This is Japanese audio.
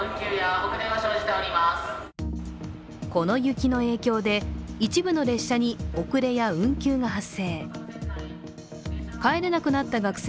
この雪の影響で一部の列車に遅れや運休が発生。